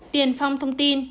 tiền phong thông tin